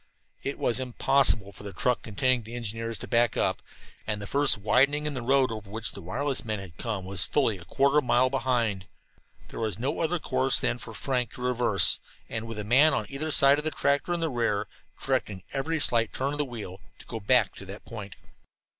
It was impossible for the truck containing the engineers to back up. And the first widening in the road over which the wireless men had come was fully a quarter of a mile behind. There was no other course than for Frank to reverse, and, with a man on either side of the tractor in the rear, directing every slight turn of the wheel, to go back to that point.